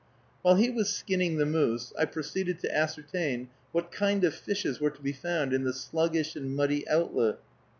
While he was skinning the moose, I proceeded to ascertain what kind of fishes were to be found in the sluggish and muddy outlet.